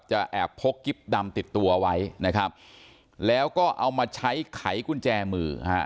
แอบพกกิ๊บดำติดตัวไว้นะครับแล้วก็เอามาใช้ไขกุญแจมือฮะ